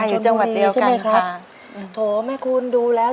โอโหแม่คุณดูแล้ว